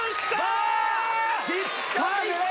失敗！